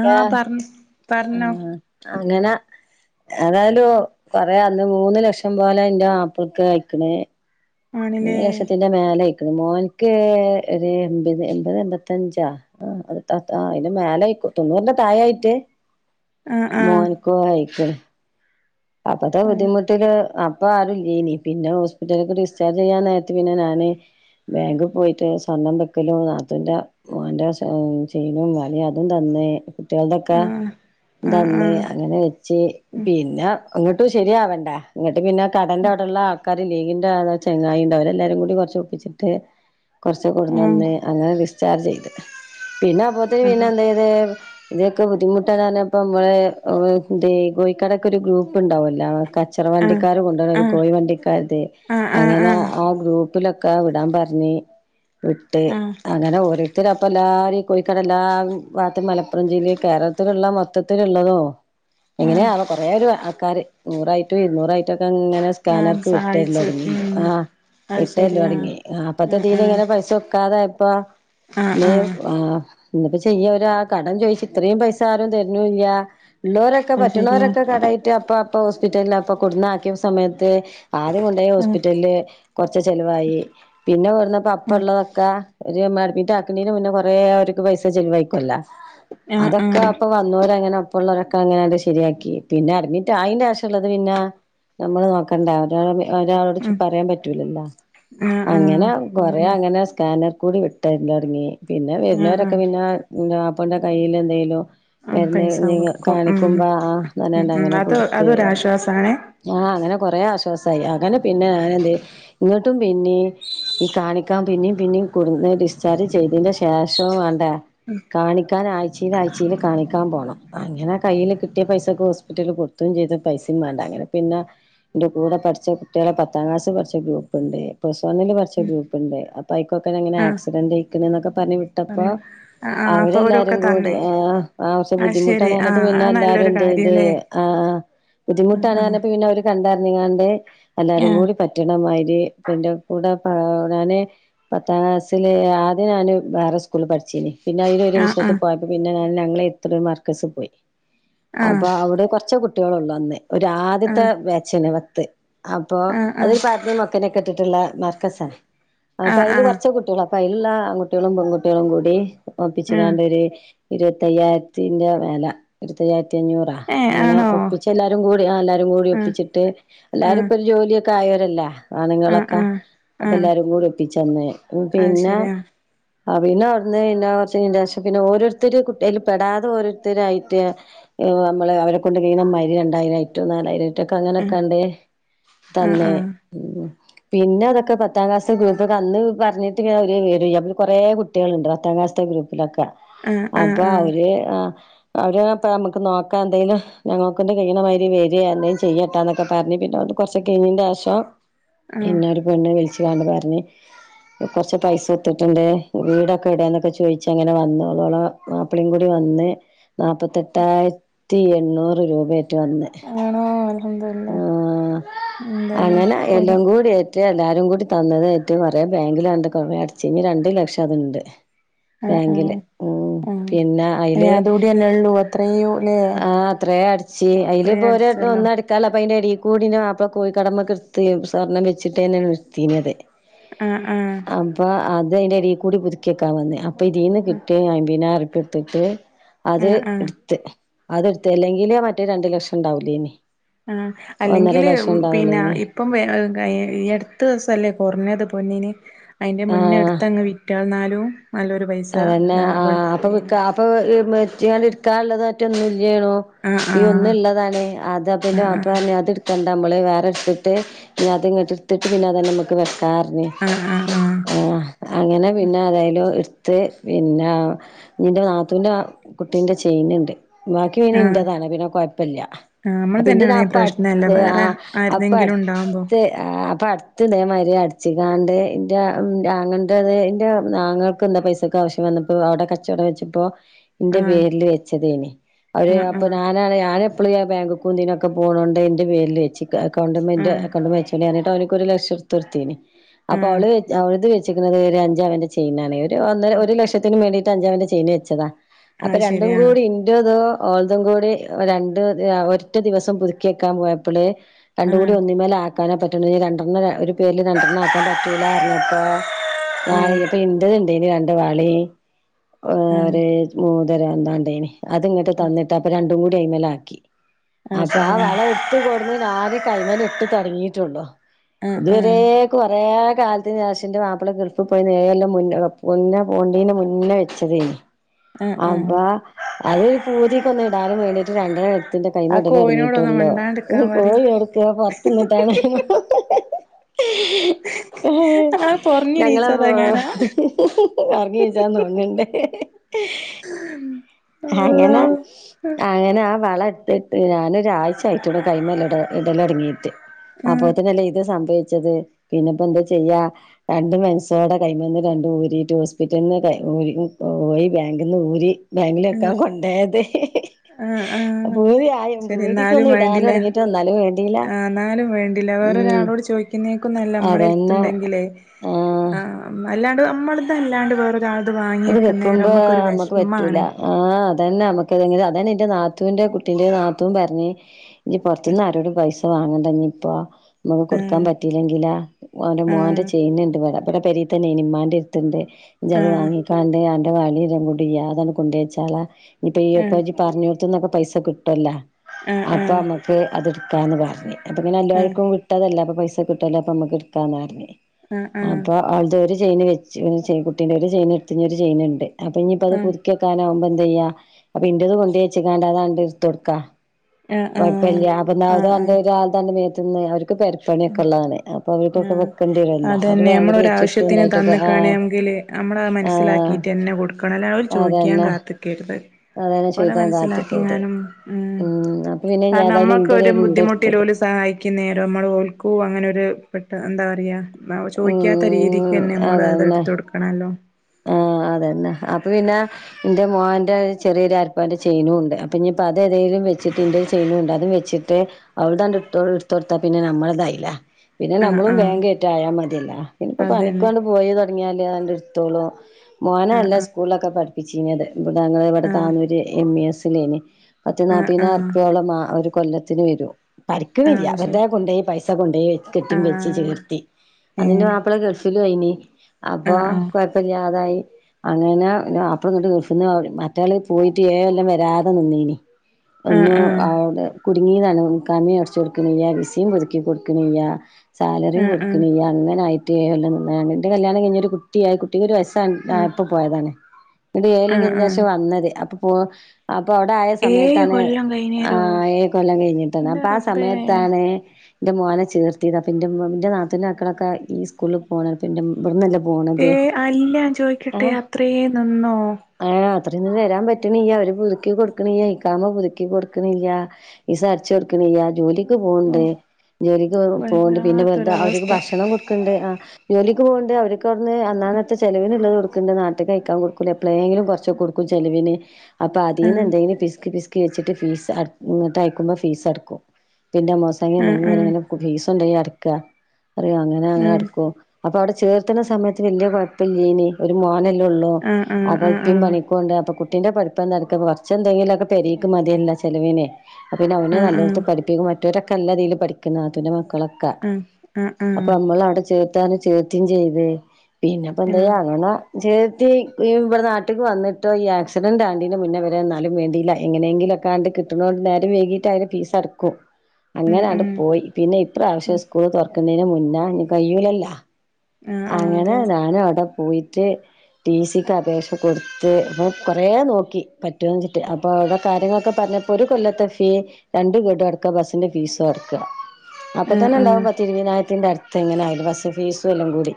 ആഹ് ആഹ പറ പറഞ്ഞോ അങ്ങനെ ഏതായാലും പറയാ അന്ന് മൂന്ന് ലക്ഷം പോലെ എന്റെ [unintelligible] മൂന്ന് ആണില്ലേ ലക്ഷത്തിന്റെ മേലെ [unintelligible] മോനക്ക് ഒരു എപത് എൺപത് എൺമ്പത്തഞ്ചാ ആ [unintelligible] അന്റെ മല തൊണ്ണൂറിന്റെ തായായിട്ടേ ആഹ് ആഹ് മോനിക്കോ ആയിക്ക്ണ് അപ്പത്തെ ബുദ്ധിമുട്ടില് [unintelligible] അപ്പൊ ആരുല്ലേനി പിന്നെ ഹോസ്പിറ്റലൊക്കെ ഡിസ്ചാർജ് ചെയ്യാൻ നേത്ത് പിന്നെഞാന് ബാങ്കിൽ പോയിട്ട് സ്വർണം ബെക്കലും അതിന്റെ [unintelligible] വല അതും തന്നെ കുട്ടികളുടെൊക്കെ ആഹ് ആഹ് തന്ന് ആഹ് [unintelligible] അങ്ങനെ വെച്ച് ഉം പിന്നെ ഇങ്ങോട്ടും ശരിയാവണ്ട ഇങ്ങിട്ട് പിന്നെ കടന്റെ അവിടെള്ള ആൾക്കാർ ലീഗിന്റെ ചെങ്ങായി [unintelligible] കൂടി കുറച്ച് ഒപ്പിച്ചിട്ട് കുറച്ച് കൊടുന്ന് അങ്ങനെ ചാർജ് ചെയ്ത് പിന്നെ അപ്പത്തി പിന്നെ ആഹ് എന്ത് ചെയ്ത് ഇതൊക്കെ ബുദ്ധിമുട്ടാണ്ഞ്ഞപ്പോ നമ്മളെ കോഴിക്കാടൊക്കെരു ഗ്രൂപ്പ്ണ്ടാവുംല്ലോ കച്ചറ ആഹ് വണ്ടിക്കാര കൊണ്ട ഒരു ആഹ് ആഹ് കോയി വണ്ടിക്കാരുടെ ആഹ് അങ്ങനെ ആഹ് ആ ഗ്രൂപ്പ് [unintelligible] വിടാൻ പറഞ്ഞഞ് വിട്ട് ആഹ് അങ്ങനെ [unintelligible] അപ്പൊ എല്ലാരും കോയിക്കോടെ എല്ലാ ഭാത്ത് മലപ്പുറം ജില്ല കേരളത്തിലുള്ള മൊത്തത്തിലുള്ളതോ എങ്ങനെയ ആഹ് കൊറേ ഒരു ആൾക്കാര് നൂറായിട്ടോ ഇരുന്നൂറായിട്ടോ അങ്ങനെ ആഹ് സ്കാനർക്ക് [unintelligible] സഹായിച്ചു ഇടങ്ങിയോ ഉം ആ അത് ശരി വിട്ടല്ലോ ആഹ് അടങ്ങി അപ്പത്തെതിൽ ആഹ് ഇങ്ങനെ പൈസ വെക്കാതെഎപ്പ ആഹ് ആഹ് [unintelligible] ആഹ് ഇന്നിപ്പോ ചെയ്യ ഒരാ ആ കടം ചോയിച്ച ഇത്രേം പൈസ ആരും തരുന്നില്ല ഉള്ളവരൊക്കെ അത് ശരിയാ പറ്റുന്നവരൊക്കെ കട അപ്പ ഹോസ്പിറ്റല അപ്പ കുടുന്ന ആക്കിയ സയത്ത് ആദ്യം കൊണ്ടായി ആഹ് ഹോസ്പിറ്റലില് കുറച്ച ചെലവായി പിന്നെ വടുന്നപ്പ ആഹ് അപ്പൊള്ളതൊക്കെ ഒരു [unintelligible] കൊറ [unintelligible] പൈസ ചെലവായിക്ക് ആഹ് ആഹ് അതൊക്കെ വ ങ്ങനെ ഒപ്പ ഉവരൊക്കെ അങ്ങനെ ശരിയാക്കി പിന്നെ അഡ്മിറ്റ് ആയിന്റെ ആവശ്യമള്ളത് പിന്നെ നമ്മള് നോക്കണ്ട ഒരാൾ ഒരാളോട് ഉം പറയാൻ പറ്റൂലല്ലോ ആഹ് ആഹ് അങ്ങനെ കൊറേ അതന്നെ അങ്ങനെ സ്കാനർ കൂടി വിട്ട തുടങ്ങി പിന്നെ ആഹ് വരുന്നവരൊക്കെ പിന്നെ മാപ്പന്റെ കയ്യിൽ എന്തേലും ആഹ് പൈസ [unintelligible] കൊടുക്കും ഉം ഉം കാണിക്കുമ്പോനണ്ട ഉം അങ്ങനെ അത് [unintelligible] അതൊരാശ്വാസാണേ ആ അങ്ങനെ കൊറൊ വിശ്വാസായി അങ്ങനെ പിന്നെ ഞാനെന്തു ഇങ്ങോട്ടും പിന്നെ ഈ കാണിക്കാൻ പിന്നും പിന്നെ ഡിസ്ചാർജ് ചെയ്തിന്റെ ശേഷവും വേണ്ടേ കാണിക്കാൻ ആഴ്ച കൊച്ചിയിലൽ ആ്ച്ചയിൽ കാണിക്കാൻ പോകണം അങ്ങനെ കയ്യിൽ കിട്ടിയ പൈസക്കൊ ഹോസ്പിറ്റലിൽ കൊടുക്കു [unintelligible] ചെയ്ത പൈസയും വേണ്ട അങ്ങനെ പിന്നെ എന്റെ കൂടെ പഠിച്ച കുട്ടികളെ പത്താം ക്ലാസ്സിൽ പഠിച്ച ഗ്രൂപ്പ്ണ്ട് പ്ലസ് വന്ന്ല് പഠിച്ച ഗ്രൂപ്പ്ണ്ട് ബൈക്കൊക്കെ എങ്ങനെ ആഹ് ആക്സിഡന്റ്ക്കണ എന്നൊക്കെ പറഞ്ഞഞ് വിട്ടപ്പോ പറഞ്ഞോ ആഹ് ആഹ് അപ്പൊ അവരെല്ലാരും ഓരൊക്കെ കൂടി തന്ന് ആ ആവശ്യ അത് ശരി ബുദ്ധിമുട്ടാണ്പ്പ ആഹ് പിന്നെ അത് നല്ലൊരു എല്ലാരും കാര്യല്ലേ [unintelligible] ആഹ് ബുദ്ധിമുട്ടാണ് ആഹ് [unintelligible] പിന്നെ അവര് കണ്ടായിരുന്നങ്ങാണ്ട് എല്ലാരും കൂടി ആഹ് പറ്റണമായി എന്റെ കൂടെ ഞാന് പത്താം ക്ലാസ്സില് ആദ്യം ഞാന് വേറെ സ്കൂള് പടിച്ന് പിന്നെ അതിന് ഒരു വിശത്ത് ആഹ് പോയപ്പോ പിന്നെ ഞങ്ങള് എത്ര മർക്കസ് പോയി ആഹ് അപ്പൊ അവിടെ [unintelligible] പച്ച കുട്ട്യോള്ണ്ടന്ന് ഒ ആദ്യത്തെ വേച്ചന് വത്ത് അപ്പോ, ആഹ് അത് ആഹ് പർദീം, മൊക്കെനിക്കെ ട്ടിട്ട്ള്ള മർക്കസാണ്. അപ്പൊ ആഹ് അയില് ആഹ് ആഹ് ആഹ് ആഹ് കൊർച്ച കുട്ടികള. അപ്പ യ്ല്ള്ള ആൺകുട്ട്യാളും, പെൺകുട്ട്യാളും, കൂടി ആഹ് ഒപ്പിച്കാണ്ടൊര്. ഇരുവയ്യാരത്തിന്റെ മേല. ഇരുവ ത്തയ്യാര്ത്തഞ്ഞൂറ. ഏഹ് അങ്ങനെ ആണോ ഒപ്പിച്ചെല്ലാരുകൂടി ആ എല്ലാരും കൂടി ആഹ് ഒപ്പിച്ചിട്ട് എല്ലാരും ആഹ് ഇപ്പൊര് ജോലിയൊക്കെ ആയോരല്ലേ ആഹ് സാനങ്ങളൊക്കെ ആഹ് ആഹ് അതെല്ലാരുകൂടെ ഒപ്പിച്ചെന്ന് അത് പിന്നെ ശരി ആ പിന്നെ അവ്ട്ന്ന് പിന്നെ [unintelligible] പിന്നെ ഓരോരുത്തര് കു അയ്ല് പെടാതെ ഓരോരുത്തര് ആയിട്ട് യൂ, അമ്മള് അവരെ കൊണ്ട് വീതം മയ്രി രണ്ടായിട്ടും നാലായിരം. ഒറ്റക്ക് ആഹ് അങ്ങനൊക്കാണ്ട് ആഹ് തന്നേ. ആഹ് ഉം, പിന്നെ, അതൊക്ക പത്താക്ലാസ്സ്‌തെ ഗ്രൂപ്പ്‌ അന്ന് പർഞ്ഞിട്ട് ഒരു വിവരൂയ അപ്പൊ കൊറേ കുട്ട്യേള്ണ്ട്. പത്താം ക്ലാസ്സ്‌തെ ഗ്രൂപ്പ്. ലോക്ക, ആഹ് ആഹ് അപ്പൊ ആഹ് ആഹ് അവര് ആ, അവര് അ പ്പ നമുക്ക് നോക്കാ ന്തെങ്കിലും. ഞങ്ങക്കൊണ്ട് കയ്യിണമാരി വെരേ, എന്തേം ചെയ്യട്ടാ ന്നൊക്കെ പർഞ് പിന്നെ ഓല് കൊർച്ച കൈഞ്ഞിന്റെഷം. ആഹ് ഇന്നെ ഒരു പെണ്ണ് വ്ൾച്ങ്ങാണ്ട് പർഞ്. കൊർച് പൈസൊത്ട്ണ്ട്, വീടൊക ഓടെന്നൊക്കെ ചോയ്ച്ചങ്ങനെ വന്നു. ഓള് ഓളെ മാപ്പിളീം കൂടി വ. ന്ന്, നാപ്പെട്ടായ്ര്ത്തി എണ്ണൂറ് രൂപേ. വന്ന്. ആണോ ആ, അൽഹംദുലില്ലാഹ് എന്തന്നെ അങ്ങനെ ഒരു എല്ലം കൂടി. എല്ലാരും കൂടി തന്നതെറ്റ് കൊറേ ബാങ്കിലാണ്ട് കൊറേ അട്ച്ച്. ഞ്ഞി രണ്ട് ലക്ഷ ത്ണ്ട്. ആഹ് ബാങ്കില്. ആഹ് മ്, ആഹ് പിന്ന ഇനി അയ്ല് അതൂടിയല്ലേ ഉള്ളൂ അത്രയുല്ലേ ആ. ത്രേ അട്ച്ച്. അയ്ല് അത്രേ പൊ രാൾ ദ് അടിച്ചല്ലോ ഒന്നട്ക്കാള്ളത് പ്പൊയ് ന്റടീ ത്ര. കൂട് ന്റെ മാപ്ല കോയ് കടമക്ക്ട്ത്. സ്വർണ്ണം വെച്ചിട്ടന്നെണ് ട്തീന്യത്. ആഹ് ആഹ് അപ്പൊ അതയ്ന്റടീ കൂടി പുത്ക്കി ക്കാവന്ന്. പ്പൊ ഇതീന്ന് കിട്ട്യ അയ്മ്ബീനായിർപ്യ ട്ത്ത്ട്ട്, അത് ആഹ് ആഹ് ഇട്ത്. അത് ഇട്. ദെല്ലെങ്കില് മറ്റേ രണ്ട് ലഷണ്ടാവൂലേനി. ആ, അല്ലെങ്കില് പിന്ന ഇപ്പം ഈ അട്ത്ത ദീസല്ലേ, കൊർഞ്ഞത്. പൊന്നിന്. അയ്ന്റെ മുന്നെ ആഹ് ഇട്തങ്ങ് വിറ്റാ ന്നാലും. അതന്നെ, ആ അപ്പ വിക്ക ആപ വിറ്റ് കണ്ട് ഇട്ക്കാ ള്ളത് ഒറ്റ ഒന്നും. ല്ലെ ണോ. ആ ആ ഈ ഒന്ന്ള്ളതാണ്. അത് അപ്പൊ ആ ന്റെ ആ മാപ്പള പറഞ്ഞു. അത് ഇട് കണ്ട. നമ്മള് വേറ ട്ത്ത്ട്ട്, ഞ്ഞത്ങ്ട്ട്ട്ത്ത്ട്ട്, പിന്നെ അതാണ്ട് നമ്മക്ക് വെക്ക. ആ ർഞ്, ആ ആ ആ അങ്ങനെ പിന്നാതായാലും ഇട്ത. ത്ത്, പിന്ന ന്റെ നാതൂന്റ കുട്ടിന്റ ചെയിന്ണ്ട്. ബാക്കി പിന്ന ആ ഇന്റതാണ്. പിന്നെ കൊയ് പ്പല്യ. ആ നമ്മൾ അപിന്റെ ന തന്നെയാണെ അപ്പ പ്രശ്നല്ല അട്ത്, ആ വേറെ ആരുന്നെങ്കിലും ഉണ്ടാവുമ്പോ അപ്പട്ത് ആ. പ്പട്ത്ത് തേമാരി അട്ച്കാണ്ട് ന്റെ ആങ്ങള്ന്റത് ന്റെ ആങ്ങൾക്ക് ന്താ പൈസ. ക്കാവശ്യവന്നപ്പോ അവടെ കച്ചോടം വെച്ചപ്പോ. ആ ന്റെ പേര്ല് വെച്ചതേനി, അവര് ആ ആ അപ്പൊ നാനാണ് ഞാന്. പ്പ്ളും ഞാബാങ്ക്ക്കും തിനൊക്കെ പോണോണ്ട് ന്റെ പേര്ല് വെച്ചിക്ക, ക്കൗണ്ട്മ്മേ ആ ന്റെ കൗണ്ട്മ്മ വെച്ച്ക്ണ് എന്നിട്ട ഓന്. ഒരു ലക്ഷട്തൊട്തീനി, ആ അപ്പൊ അവള് അവൾത് വെച്ച്ക്ക്‌ണത് ഒരഞ്ചവന്റെ ചെയ്നാണ്. ഒരു ഒരു ലഷത്തിനും മേണ്ടിട്ട് അഞ്ചവന്റെ ചെയ്ന് വെച്ചതാ, ആ അപ്പൊ രണ്ടും ശരി ആ കൂടി ഇന്റതോ. ഓൾതും കൂടി രണ്ട്ത് ഒരൊറ്റ ദിവസം പുതുക്യാക്കാൻ പോയപ്പള്. ആ രണ്ടുംകൂടി ഒന്നിമ്മലാക്കാന പറ്റ്ണല്ല, രണ്ടെർണ്ണം ഒരു പേര്ല് രണ്ടെർണാക്കാൻ പറ്റൂലാർഞ്ഞപ്പോ.? [unintelligible] ആ ഇപ്പ ഇന്റെത്ണ്ടേയ്നി രണ്ട് വളീ ഓ ആ ആ ഒരു മൂ. തരാന്താണ്ടേനി, അത് ങ്ങട്ട് തന്നിട്ട് അപ്പ രണ്ടുംകൂടി അയ്മലാക്കി. അപ്പ ആ വള ഇട്ട് കൊടുന്ന് [unintelligible] ഇട്ട് തൊ ടങ്ങിട്ടോള്ളൂ. ആ ഇത് ആ വരേ കൊറേ കാൽത്ന് നേഷം ന്റെ മാപള ഗർഫ് പോയന്ന് ഏയൊല്ലം മുന്നേ. മുന്ന പോണ്ടീന് മുന്ന വെച്ചതേനി ആ ആ അതാ. അത് പൂതിയ്ക്കൊന്ന് ടാനും വേണ്ടീട്ട് [unintelligible] ന്റെ ആ കോയിനോടൊന്ന് കൈമെടലൊട്ങ്ങീട്ടൊള്ളൂ. മിണ്ടാണ്ടിക്കാൻ പറയ് [unintelligible] [inaudible] ഞങ്ങളപൊ പൊറഞ്ഞെണീച്ചതെങ്ങാനാ [inaudible] ഒർങ്ങീചാ തോണ് ണ്ട്. അങ്ങന, അല്ലാഹ് അങ്ങനാ അ വള. [inaudible] ഞാനൊരായ്ചായ്ട്ടൊള്ളു കൈമെടൊലൊട്ങ്ങീട്ട്. ആഹ് അപ്പോത്തിനെല്ലേ ഇത് സംഭവി. പിന്നെ പ്പോ ന്താ ചെയ്യാ, രണ്ട് മനസോടെ കൈമന്ന് രണ്ടും ഊരീട്ട് ഹോസ്പിറ്റൽന്ന്. ഊരി പോയി ബാങ്കിന്ന് ഊരി ബാങ്കിലക്കാ കൊണ്ടായത്. [inaudible] അ ആ. ആ ശരി ന്നാലും പൂരിക്കൊന്നും ഇടാൻ വേണ്ടില തൊടങ്ങിട്ട് എന്നാലും വേണ്ടില്ല. ആ ന്നാലും വേണ്ടില ഉം വേറൊരാളോട് ചോ [unintelligible] അതന്നെ അമ്മളെണ്ട്ത്‌ടെങ്കിലേ ആ ആഹ് അല്ലാണ്ട് അമ്മൾതല്ലാണ്ട് വേറൊ ഇത് വെക്കുമ്പോ അമ്മക്ക് പറ്റൂല വെഷമാണ് ആ അതന്നെ അമ്മങ്കി തെങ്കിലും അതന്നനീ ന്റെ ന്നാത്തൂന്റെ കുട്ടീന്റെ നാത്തൂൻ പർഞ്ഞ് ഇഞ്ഞ് പൊർത്ത്ന്ന് ആരോട് പൈസ വാങ്ങണ്ടഞ്ഞി ഇപ്പൊ [unintelligible] കൊടുക്കാൻ ആഹ് പറ്റില്ലെങ്കിലോ? ഓന്റെ മോൻന്റെ ആഹ് ചെയ്ന് ഇണ്ട് ഇവടെ. ഇവ്ടെ പെരീ തന്നെ നീ ഇമ്മാന്റെര് തന്റെ ഇച്ചഹ് വാങ്ങി അന്റെ [unintelligible] അതൊന്ന് കൊണ്ടേച്ചാളാ ന്നിട്ട് ഇയ്യ് പ്പം ആഹ് ഇച്ച് പർഞ്ഞോട്ത് ന്നൊക്കെ പൈസ കിട്ടൊല്ല ആഹ് ആഹ് അപ്പൊമ്മക്ക് അത്ട്ക്കാന്ന് പർഞ്ഞ്. അപ്പപിന്നല്ലാർക്കും ഇട്ടതല്ലേ അപ്പൊ പൈസ കിട്ടല്ലോ അപ്പമ്മക്ക് എട്ക്കാന്നർഞ്ഞ് ആഹ് ആഹ് അപ്പൊ [unintelligible] ഒര് ചെയിന് വെച്ചു ഒര് ചെയ് കുട്ടിന്റെ ഒരു ചെയിന് വെച്ച് ഇനി ഒരു ചെയ്ന്ണ്ട് അപ്പൊ ഇനിയിപ്പ ആഹ് ത് ആഹ് ആഹ് പുത്ക്ക്യക്കാനാവുമ്പ എന്തയ്യാ അപ്പൊ ഇറ്റത് കൊണ്ടേയ് വച്ച്കാണ്ട് അതാണ്ട് ഇട്തൊട്ക്കാ. ആഹ് ആഹ് കൊയ്പ്പല്ല്യ അപ്പൊന്നാത് ആഹ് ആഹ് [unintelligible] മേത്ത്ന്നെ അവർ പെരപ്പണിയൊക്കെ ഇള്ളതാണെ അപ്പൊ അവർക്കൊക്കെ ആഹ് വെക്കണ്ട്യരൊല്ലോ അത്‌ അതന്നെ ബേങ്കില് വെച്ചിട്ട് എന്തായിട്ടൊക്കെ ആ തെ അമ്മളത് മനസ്സിലാക്കീട്ടന്നെ കൊട്ക്കണം അല്ല അവര് ചോയ്ക്ക്യാൻ അതന്നെ കാത്ത്ക്കര്ത്. അതന്നെ ഓലെ ചോദിക്കാൻ കാത്ത്ക്കേത് മൻസ്സിലാക്കിങ്ങാനും ഉം അപ്പൊ പിന്നെ കാരണം ഏതായാലും ഇന്റെത് അമ്മൾക്കൊരു ഇണ്ട് എടുത്തത് ബുദ്ധിമുട്ടിലോല് സ സഹായിക്ക്യുനേരം ന്നമ്മള് ഓൽക്കും അങ്ങനെ ഒര് പെട്ട എന്താ പറയാ മാം ചോയ്ക്യാത്ത ഉം രീതിക്കെന്നെ അമ്മളത് അതന്നെ എടുത്തൊടുക്കണല്ലോ. ആഹ് അതെന്നെ അപ്പൊ പിന്നെ ന്റെ മോന്റെ ചെറിയൊരു അര്പവന്റെ ചൈനുണ്ട്. അപ്പഞ്ഞിപ്പോ അത് ഏതെിലും വെച്ചിട്ട് ഇന്റൊരു ചൈനുണ്ട് അതും വെച്ചിട്ട് ഓൽതാണ്ട് ഇട്ത്തൊട്ത്താ പിന്നെ ന്നമ്മൾതായിലെ. പിന്നെ ആഹ് ന്നമ്മളും ആഹ് ബേങ്കായിട്ടായാ മതിയല്ലാ പിന്നപ്പം പണിക്കും അതന്നെ ആണ്ട് പോയി തൊടങ്ങിയാല് ആണ്ട് തോളൊ ആഹ് മോനെല്ല ആഹ് സ്കൂളിലൊക്കെ പഠിപ്പിച്ചീ നൃത് ഇവിടെ ഞങ്ങളെ ഇവ്ടെ ആഹ് താന്നൂര് എം ഇ എസ്. [unintelligible] പത്ത് ആഹ് ആഹ് ആഹ് നാപ്പയ്നാർപ്പ്യയോളം മാ ഒരു കൊല്ലത്തിന് വരും. പഠിക്ക്ണില്ലൃ അത് ശരി വെർതെ കൊണ്ടോയി പൈസ കൊണ്ടോയി കെട്ടിം വെച്ച് ആഹ് ചേർത്തി. അതിന്റെ ഏഹ് മാപ്പിള ഗൾഫിലൊയ്നി അപ്പൊ ആഹ് ആഹ് അതായി അങ്ങനെ അപ്പംങ്ങട്ട് ഗൾഫ്ന്ന് മറ്റാള് പോയിട്ട് ഏഴൊല്ലം വരാതെ ന്ന്ന്നീനി. ആഹ് ഒന്ന് ആഹ് അവ്ടെ കുട്ങ്ങീതാണ് ഇക്കാമിം അട്ച്ചൊട്ക്ക്ണില്ല്യ വിസിം പുത്ക്കി കൊടുക്ക്ണ്ല്ല്യ സാലറിം ആഹ് ആഹ് കൊട്ക്ക്ണ്ല്ല്യ അങ്ങനായിട്ട് ഏഴൊല്ലം നിന്നെ എന്റെ കല്യാണം കയ്ഞ്ഞ് ഒരു കുട്ട്യായി കുട്ടിക്ക് ഒരു വയസ്സാ ആഹ് ഉം അ ഇപ്പം പോയതാണ് ഇവ്ടെ ആഹ് ആഹ് ഏയൊലംകൈഞ്ഞേനേശം വന്നത് അപ്പൊ പോ അപ്പ് അപ്പൊ അവ്ടായ ഏഴ് സമയത്താണ് കൊല്ലം ആ കഴിഞ്ഞേരോ ഏയ്കൊല്ലം കഴിഞ്ഞിട്ടാണ് എന്റെ ആപ്പാ ആ റബ്ബേ സമയത്താണ് ഇന്റെ മോനെ ചേർത്ത്യത് അപ്പന്റെ. നാതൂന്റെ മക്കളൊക്കെ ഈ സ്കൂൾ ളാ പോണ ഇവിടന്നല്ല ഏ അല്ല ചോയ്ക്കട്ടെ അത്രോം നിന്നോ? [unintelligible] വരാൻ പറ്റ്‌ണ്യ്യ അവര് പുതുക്കി കൊട്ക്ക്ണിയ്യ ഈക്കാമ്മ പുത്ക്കി കൊട്ക്ക്ണ്ല്ല്യ വിസ അട്ച്ച് കൊട്ക്ക്ണ് ചെയ്യ ജോലി പോണ്ടെ ഓഹ് ജോലിക്ക് പോണ്ടെ പിന്നെ വെർതെ അവര്ക്ക് വല്ലാത്തൊരവസ്ഥ ഭക്ഷണം കൊടുക്കണ്ടേ ആ ജോലിക്ക് പോവ്ണ്ട് അവര്ക്ക് അവ്ട്ന്ന് അന്നാന്നത്തെ ചെലവിന്ള്ളത് ക്ക് നാട്ട്കയക്കാൻ കൊട്ക്കൂലെ എ പ്ലെങ്കിലും കൊർച്ച് കൊട്ക്കും ചെലവിന് അപ്പ ആഹ് അതീന്ന്എന്തെങ്കിലും പിസ്ക്കി പിസ് വെച്ച്ട്ട് ഫീസ് അട് ഇങ്ങട്ട് അയക്കുമ്പം ഫീസട്ക്കും ന്നിട്ട്ന്റെ അമ്മോസാകിം ആഹ് അമ്മായിമിം [unintelligible] കൊടോയി അട്ക്ക അറിയോ അങ്ങനെ ആഹ് ഞങ്ങളട്ക്കോ അപ്പൊ അവിടെ ചേർത്ത്ണ സമയത്ത് വല്യയ കൊയ്പ്പല്യാനി ഒരു മോനല്ലൊള്ളൂ ആഹ് അപ്പം ആഹ് ഇപ്പിം ആഹ് പണിക്കോവ്ണ്ട് അപ്പം കു കുട്ടീന്റെ പട്ത്തം നടക്കപ്പം കൊർച്ചെ ത്തേലൊക്കെ മതിയല്ലോ ചെലവിന്. അപ്പപിന്ന അവന് ആഹ് നല്ലോട്ത്ത് പഠിപ്പിക്കും മറ്റൊരൊക്കെ ല്ലതീല് പഠിക്ക്ന്ന നാത്തൂന്റെ മോൻ കളക്ക ആഹ് ആഹ് ആഹ് ആഹ് ആഹ് അപ്പൊ അമ്മള് അവ്ടെ ചേർ [unintelligible] ചേർത്തിം ചെയ്ത് പിന്നെപ്പോന്താ ആഹ് ആഹ് അവനെ ചേർത്തി ഇവിട്ന്ന് ന്നാട്ട്ക്ക് വന്നിട്ടോ ഈ ആക്സിഡന്റ് ആണ്ടേന്റെ മുന്നെവരെ എന്നാലും വേണ്ടില്ല എങ്ങനെങ്കിലും അടക്കാണ്ട് കിണ്ടണോണ്ട് നേരം വൈകീട്ടായാലും ഫീസ് അട്ക്കും. ഉം അങ്ങനണ്ട് ഉം പോയി പിന്നെ ഇപ്രാവശ്യം സ്കൂൾ തൊർക്ക് ന്നേനെ മുന്നേ കഴൂലല്ലോ. ആഹ് ആഹ് അങ്ങനെ അതെ നാനും അവിടെ പോയിട്ട് ടി സി ക്ക് അപേക്ഷ കൊട്ത്ത് അപ്പൊ കൊറേ നോക്കി പറ്റോച്ചിട്ട് അപ്പൊ അവിടെ കാര്യങ്ങളൊക്കെ പറഞ്ഞപ്പോ ഒരു കൊല്ലത്തെ ഫീ രണ്ടു ഗണ്ടു അടക്ക ബസ്സിന്റെ ഫീസും അടക്ക അപ്പൊ ആഹ് തന്നെ ആഹ് ഇണ്ടാവും പത്ത ഇരുവിതിനായിരത്തിന്റെ അടുത്ത് എങ്ങനെ ആ ബസ് ഫീസും എല്ലും കൂടി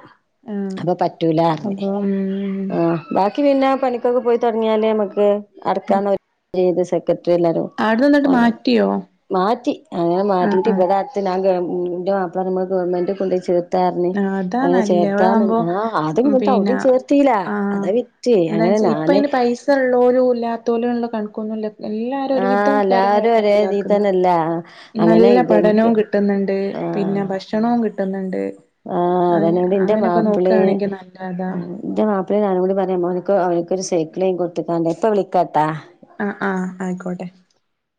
ആഹ് അപ്പൊ പറ്റുല്ലറഞ് അപ്പൊ ഉം ആ ബാക്കി ബാക്കി പിന്നെ പണിക്കൊക്കെ പോയി തുടങ്ങിയാല് നമുക്ക് അടക്കാ [unintelligible] [inaudible] എല്ലാരും അവിടുന്ന് എന്നിട്ട് അങ്ങനെ മാറ്റിയോ [unintelligible] അങ്ങനെ ആഹ് മാറ്റിട് ആഹ് ഇവിടെ അടുത്ത് ഗവ- ഉം എന്റെ മാപ്പിള പറയുമ്പോ ഗവൺമെന്റ് കൊണ്ട ചേർത്ത പറഞ്ഞ് ആഹ് അതാ അങ്ങനെ നല്ലേ ചേർത്താന്ന് [unintelligible] അതാവുമ്പോ ആ അതും കിട്ട അവിടെ പിന്നെ ചേർത്തില അതാ വിറ്റ് അങ്ങനെ ഞാന് പൈസഉള്ളരും ഇല്ലാത്തലും ഉള്ള കണ [unintelligible] എല്ലാരും ഒരു വിധം ആഹ് ആൾക്കാരും എല്ലാരും ഒരേ ഗവണ്മെന്റലാ ഇതീ തന്നെല്ല അങ്ങനെ ഇവൻക്ക് ആഹ് പിന്നെ ഭക്ഷണവും കിട്ടുന്നുണ്ട് ആഹ് അതേനാടി ന്റെ അങ്ങനെയൊക്കെ മാപ്പിളെ നോക്കുകയാണെങ്കിൽ നല്ലതാ എന്റെ മാപ്പിളെ നാനും കൂടി പറയാൻ [unintelligible] [unintelligible] അവനക്കൊരു സൈക്കിളേും വാങ്ങികൊടുതുങ്ങേണ്ട ഇപ്പ വിളിക്കാട്ടാ ആ ആഹ് ആയിക്കോട്ടെ